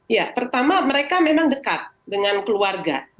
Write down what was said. ya pertama mereka memang dekat dengan keluarga